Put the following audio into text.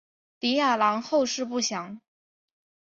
李雅郎后事不详。